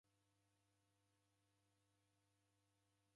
Mwana wavalo icho